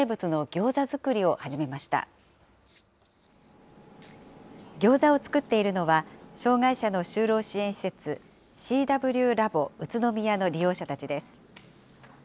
ギョーザを作っているのは、障害者の就労支援施設、ＣＷらぼ宇都宮の利用者たちです。